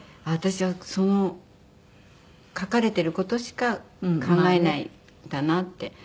私はその書かれてる事しか考えないんだなって。